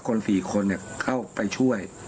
คน๔คนเข้าไปช่วย